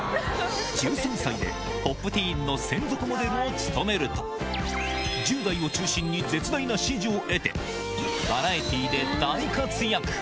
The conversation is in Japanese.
１３歳でポップティーンの専属モデルを務めると、１０代を中心に絶大な支持を得て、バラエティーで大活躍。